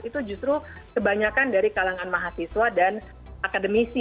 itu justru kebanyakan dari kalangan mahasiswa dan akademisi